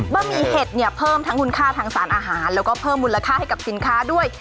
หมี่เห็ดเนี่ยเพิ่มทั้งคุณค่าทางสารอาหารแล้วก็เพิ่มมูลค่าให้กับสินค้าด้วย